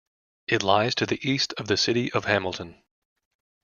It lies to the east of the city of Hamilton.